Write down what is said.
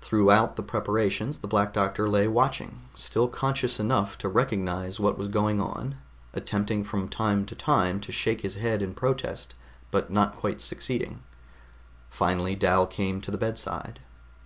Throughout the preparations the Black Doctor lay watching, still conscious enough to recognize what was going on, attempting from time to time to shake his head in protest but not quite succeeding. Finally Dal came to the bedside.